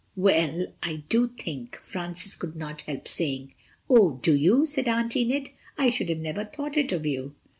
"Well—I do think—" Francis could not help saying. "Oh—do you?" said Aunt Enid, "I should never have thought it of you."